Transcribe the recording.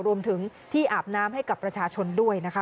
รวมถึงที่อาบน้ำให้กับประชาชนด้วยนะคะ